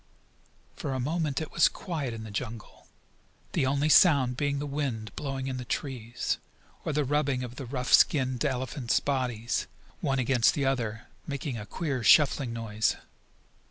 For a moment it was quiet in the jungle, the only sound being the wind blowing in the trees, or the rubbing of the rough skinned elephants' bodies, one against the other, making a queer, shuffling noise.